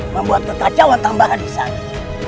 membuat kekacauan tambahan di sana